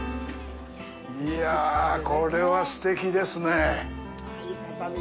いやぁ、これはすてきですね。